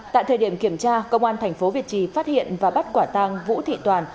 tại thời điểm kiểm tra công an tp việt trì phát hiện và bắt quả tang vũ thị toàn